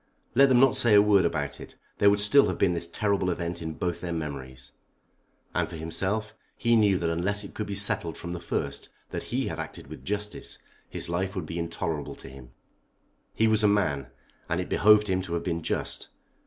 Let them not say a word about it, there would still have been this terrible event in both their memories. And for himself he knew that unless it could be settled from the first that he had acted with justice, his life would be intolerable to him. He was a man, and it behoved him to have been just.